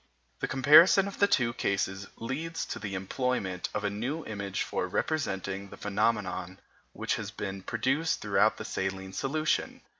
] The comparison of the two cases leads to the employment of a new image for representing the phenomenon which has been produced throughout the saline solution.